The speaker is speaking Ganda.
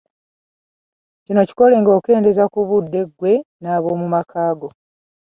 Kino kikole ng’okeendeeza ku budde ggwe n’ab’omu makaago.